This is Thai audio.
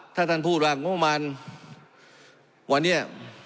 ถ้าท่านพูดว่างบมารวันนี้